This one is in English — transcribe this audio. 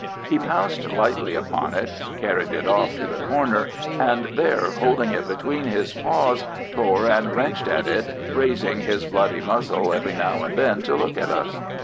He pounced lightly upon it, carried it off to the corner, and there, holding it between his paws, tore and wrenched at it, raising his bloody muzzle every now and then to look at us.